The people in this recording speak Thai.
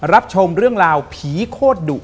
รับชมเรื่องราวผีโคตรดุ